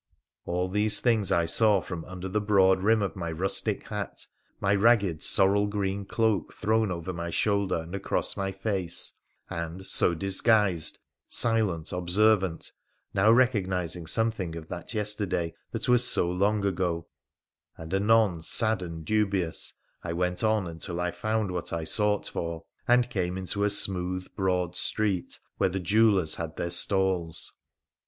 All these things I saw from under the broad rim of my rustic hat — my ragged, sorrel green cloak thrown over my shoulder and across my face, and, so disguised, silent, obser vant — now recognising something of that yesterday that was so long ago, and anon sad and dubious, I went on until I found what I sought for, and came into a smooth, broad street, where the jewellers had their stalls.